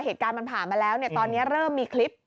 เหตุการณ์มันผ่านมาแล้วเนี่ยตอนนี้เริ่มมีคลิป